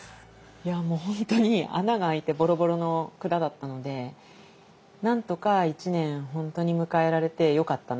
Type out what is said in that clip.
いやもう本当に穴が開いてボロボロの蔵だったのでなんとか１年本当に迎えられてよかったなっていう。